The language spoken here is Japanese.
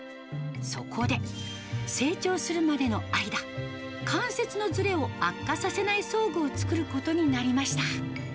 そこで成長するまでの間、関節のずれを悪化させない装具を作ることになりました。